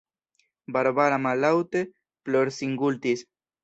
Barbara mallaŭte plorsingultis.